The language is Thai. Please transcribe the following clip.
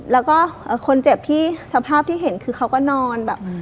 แล้วก็คนเจ็บที่สภาพที่เห็นคือเขาก็นอนแบบ